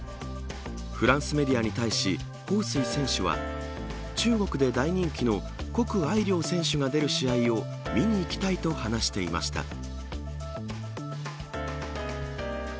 フランスメディアに対し彭帥選手は中国で大人気の谷愛凌選手が出る試合を見に行きたいと話しておりました。